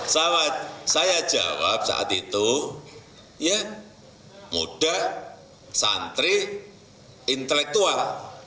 saya jawab saat itu ya muda santri intelektual